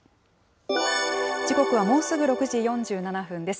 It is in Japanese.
時刻はもうすぐ６時４７分です。